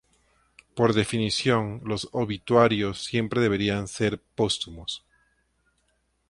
Por definición, los "obituarios" siempre deberían ser póstumos.